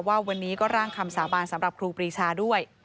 ว่าวันนี้ก็ร่างคำสาบานสำหรับครูปรีชาด้วย